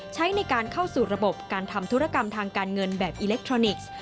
ใช้ในการเข้าสู่ระบบการทำธุรกรรมทางการเงินแบบอิเล็กทรอนิกส์